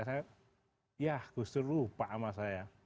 saya ya gus dur lupa sama saya